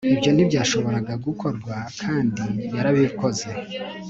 ibyo ntibyashoboraga gukorwa, kandi yarabikoze